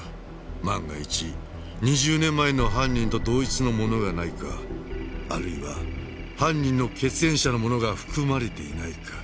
万が一２０年前の犯人と同一のものがないかあるいは犯人の血縁者のものが含まれていないか。